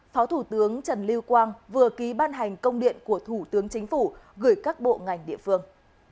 phó thủ tướng trần lưu quang vừa ký ban hành công điện của thủ tướng chính phủ gửi các bộ ngành địa phương